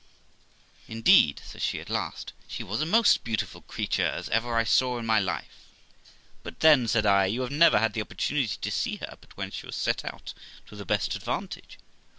Indeed', says she, at last, 'she was a most beautiful creature as ever I saw in my life.' 'But then', said I, 'you never had the opportunity to see her but when she was set out to the best advantage.'